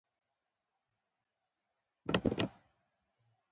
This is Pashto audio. هیڅوک دې له خپلو کورونو نه بې ځایه کیږي.